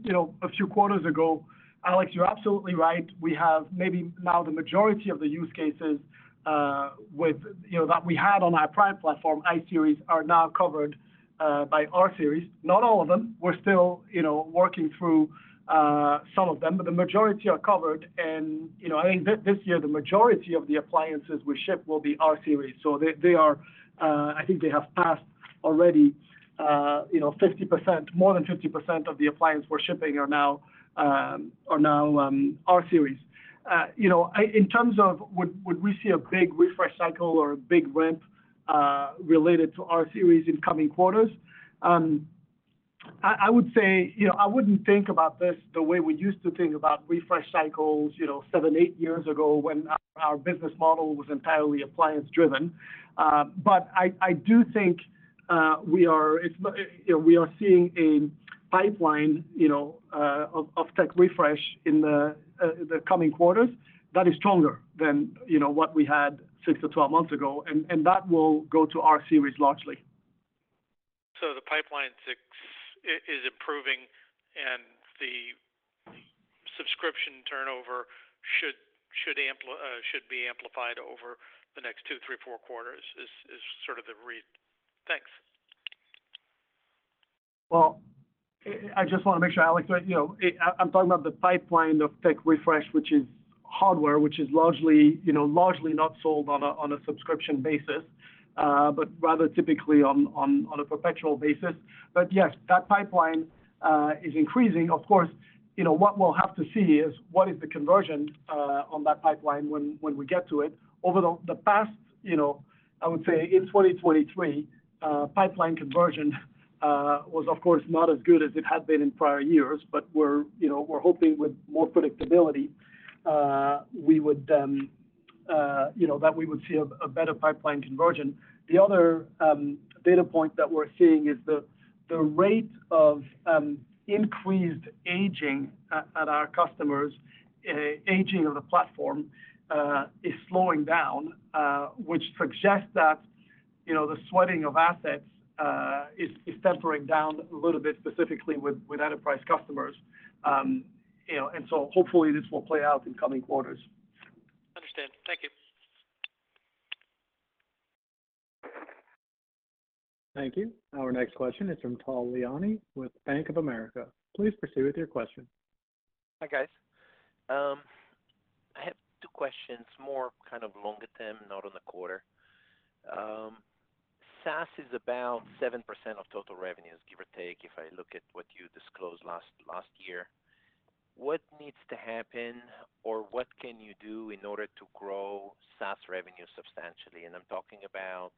you know, a few quarters ago, Alex, you're absolutely right. We have maybe now the majority of the use cases with, you know, that we had on our prior platform, iSeries, are now covered by rSeries. Not all of them. We're still, you know, working through some of them, but the majority are covered, and, you know, I think this year, the majority of the appliances we ship will be rSeries. So they are, I think they have passed already, you know, 50%. More than 50% of the appliance we're shipping are now rSeries. You know, in terms of would we see a big refresh cycle or a big ramp related to rSeries in coming quarters? I would say, you know, I wouldn't think about this the way we used to think about refresh cycles, you know, seven, eight years ago, when our business model was entirely appliance driven. But I do think we are seeing a pipeline, you know, of tech refresh in the coming quarters that is stronger than, you know, what we had six to 12 months ago, and that will go to rSeries largely. So the pipeline is improving, and the subscription turnover should be amplified over the next two, three, four quarters, is sort of the read. Thanks. Well, I just wanna make sure, Alex, that you know I'm talking about the pipeline of tech refresh, which is hardware, which is largely you know largely not sold on a subscription basis, but rather typically on a perpetual basis. But yes, that pipeline is increasing. Of course, you know what we'll have to see is what is the conversion on that pipeline when we get to it? Over the past you know I would say in 2023 pipeline conversion was of course not as good as it had been in prior years, but we're you know we're hoping with more predictability we would you know that we would see a better pipeline conversion. The other data point that we're seeing is the rate of increased aging at our customers, aging of the platform, is slowing down, which suggests that, you know, the sweating of assets, is tempering down a little bit, specifically with enterprise customers. You know, and so hopefully this will play out in coming quarters. Understand. Thank you. Thank you. Our next question is from Tal Liani with Bank of America. Please proceed with your question. Hi, guys. I have two questions, more kind of longer term, not on the quarter. SaaS is about 7% of total revenues, give or take, if I look at what you disclosed last year. What needs to happen, or what can you do in order to grow SaaS revenue substantially? And I'm talking about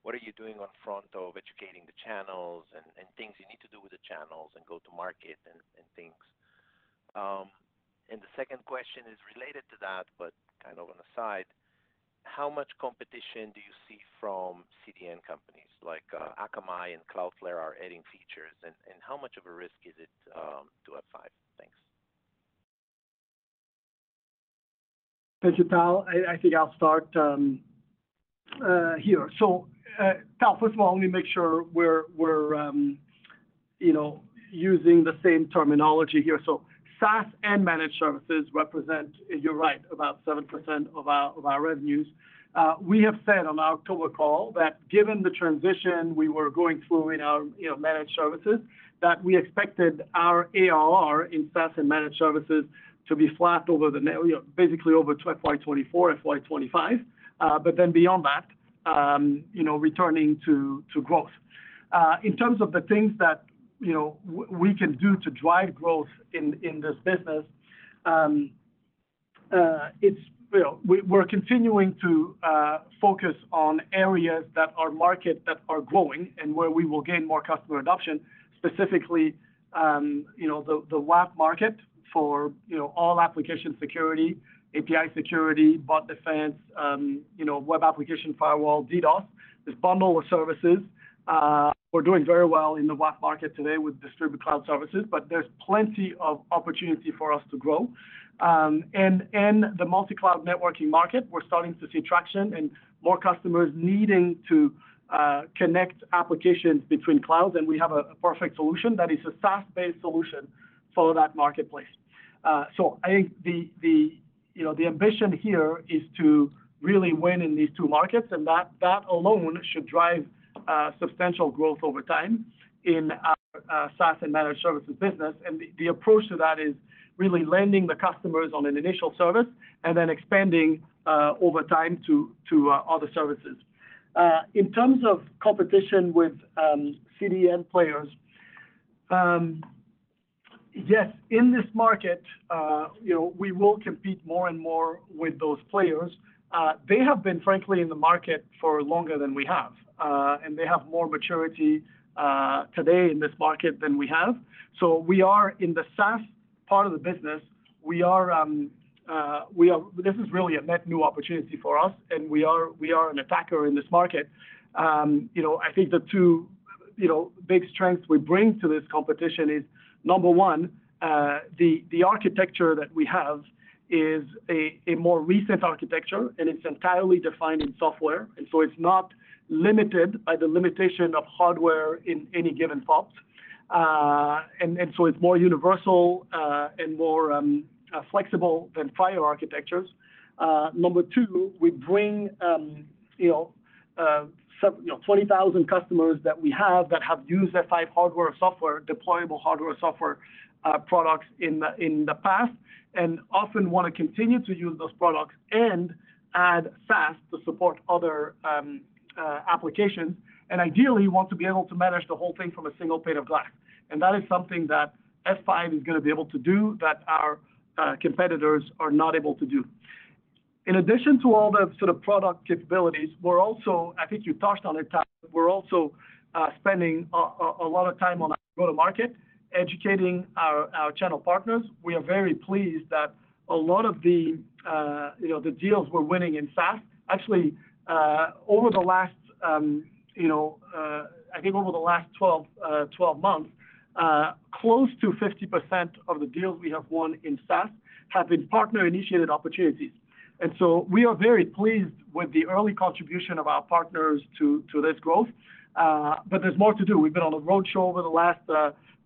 what are you doing in front of educating the channels and things you need to do with the channels and go to market and things. And the second question is related to that, but kind of an aside: How much competition do you see from CDN companies? Like, Akamai and Cloudflare are adding features, and how much of a risk is it to F5? Thanks. Thank you, Tal. I think I'll start here. So, Tal, first of all, let me make sure we're, you know, using the same terminology here. So SaaS and managed services represent, you're right, about 7% of our revenues. We have said on our October call that given the transition we were going through in our, you know, managed services, that we expected our ARR in SaaS and managed services to be flat over, you know, basically over to FY 2024 and FY 2025, but then beyond that, you know, returning to growth. In terms of the things that, you know, we can do to drive growth in, in this business, well, we're, we're continuing to focus on areas that are market- that are growing and where we will gain more customer adoption, specifically, you know, the, the WAF market for, you know, all application security, API security, bot defense, you know, web application firewall, DDoS, this bundle of services. We're doing very well in the WAF market today with distributed cloud services, but there's plenty of opportunity for us to grow. And in the multi-cloud networking market, we're starting to see traction and more customers needing to connect applications between clouds, and we have a perfect solution that is a SaaS-based solution for that marketplace. So I think the, the-... You know, the ambition here is to really win in these two markets, and that, that alone should drive substantial growth over time in our SaaS and managed services business. And the approach to that is really landing the customers on an initial service and then expanding over time to other services. In terms of competition with CDN players, yes, in this market, you know, we will compete more and more with those players. They have been, frankly, in the market for longer than we have, and they have more maturity today in this market than we have. So we are in the SaaS part of the business. This is really a net new opportunity for us, and we are an attacker in this market. You know, I think the two big strengths we bring to this competition is, number one, the architecture that we have is a more recent architecture, and it's entirely defined in software, and so it's not limited by the limitation of hardware in any given box. And so it's more universal and more flexible than prior architectures. Number two, we bring you know, 20,000 customers that we have that have used F5 hardware, software, deployable hardware, software products in the past, and often want to continue to use those products and add SaaS to support other applications, and ideally, want to be able to manage the whole thing from a single pane of glass. That is something that F5 is gonna be able to do that our competitors are not able to do. In addition to all the sort of product capabilities, we're also, I think you touched on it, Tal, we're also spending a lot of time on go-to-market, educating our channel partners. We are very pleased that a lot of the, you know, the deals we're winning in SaaS. Actually, over the last, I think over the last 12 months, close to 50% of the deals we have won in SaaS have been partner-initiated opportunities. And so we are very pleased with the early contribution of our partners to this growth, but there's more to do. We've been on a roadshow over the last,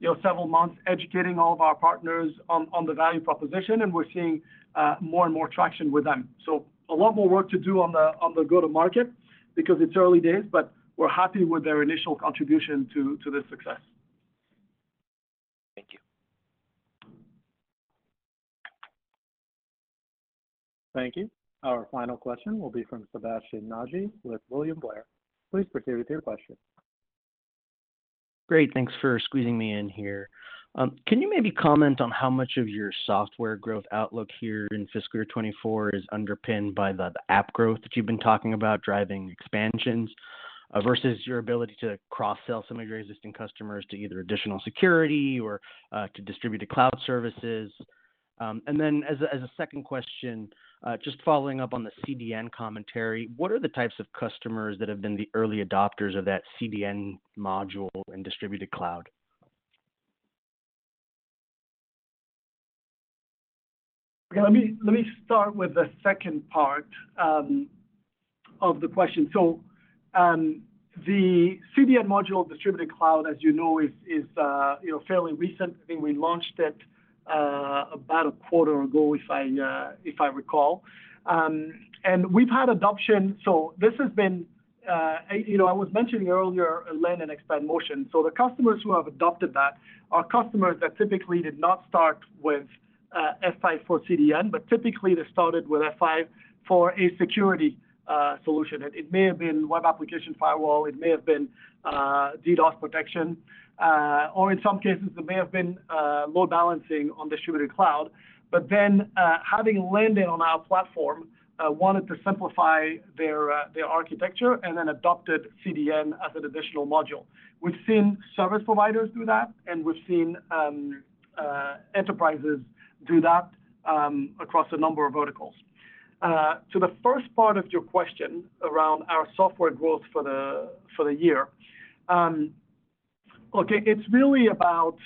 you know, several months, educating all of our partners on, on the value proposition, and we're seeing, more and more traction with them. So a lot more work to do on the, on the go-to-market because it's early days, but we're happy with their initial contribution to, to this success. Thank you. Thank you. Our final question will be from Sebastien Naji with William Blair. Please proceed with your question. Great, thanks for squeezing me in here. Can you maybe comment on how much of your software growth outlook here in fiscal year 2024 is underpinned by the, the app growth that you've been talking about, driving expansions, versus your ability to cross-sell some of your existing customers to either additional security or, to distributed cloud services? And then as a second question, just following up on the CDN commentary, what are the types of customers that have been the early adopters of that CDN module and distributed cloud? Let me start with the second part of the question. So, the CDN module distributed cloud, as you know, is, you know, fairly recent. I think we launched it about a quarter ago, if I recall. And we've had adoption. So this has been, you know, I was mentioning earlier, a land and expand motion. So the customers who have adopted that are customers that typically did not start with F5 for CDN, but typically they started with F5 for a security solution. It may have been web application firewall, it may have been DDoS protection, or in some cases, it may have been load balancing on distributed cloud. But then, having landed on our platform, wanted to simplify their, their architecture and then adopted CDN as an additional module. We've seen service providers do that, and we've seen enterprises do that across a number of verticals. To the first part of your question around our software growth for the, for the year, okay, it's really about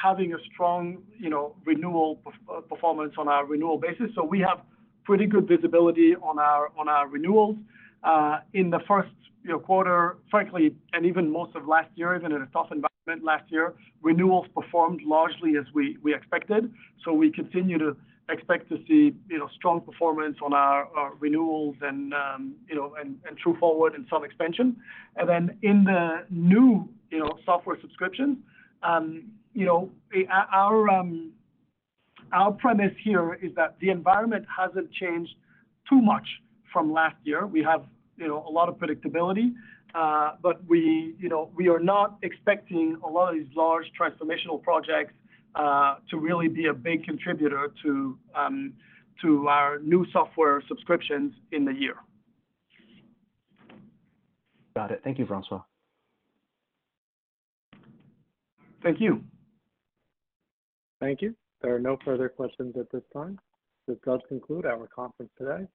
having a strong, you know, renewal performance on our renewal basis. So we have pretty good visibility on our, on our renewals. In the first, you know, quarter, frankly, and even most of last year, even in a tough environment last year, renewals performed largely as we, we expected. So we continue to expect to see, you know, strong performance on our, our renewals and, you know, and, and True Forward and some expansion. And then in the new software subscription, you know, our premise here is that the environment hasn't changed too much from last year. We have, you know, a lot of predictability, but we, you know, we are not expecting a lot of these large transformational projects to really be a big contributor to our new software subscriptions in the year. Got it. Thank you, François. Thank you. Thank you. There are no further questions at this time. This does conclude our conference today.